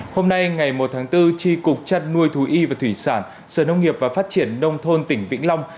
hôm nay ngày một tháng bốn tri cục trăn nuôi thú y và thủy sản sở nông nghiệp và phát triển nông thôn tỉnh vĩnh long